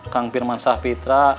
kang firman sahfitra